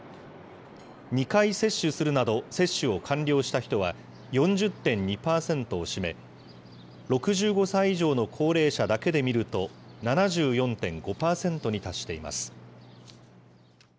２回接種するなど、接種を完了した人は４０．２％を占め、６５歳以上の高齢者だけで見ると、７４．５％に達しています。